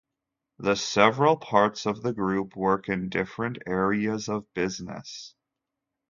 The several parts of the group work in different areas of business.